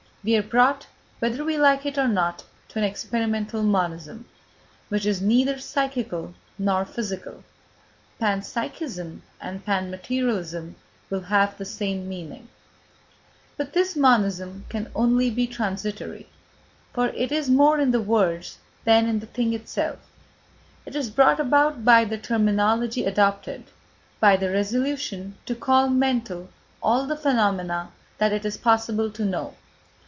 We are brought, whether we like it or not, to an experimental monism, which is neither psychical nor physical; panpsychism and panmaterialism will have the same meaning. But this monism can be only transitory, for it is more in the words than in the thing itself. It is brought about by the terminology adopted, by the resolution to call mental all the phenomena that it is possible to know.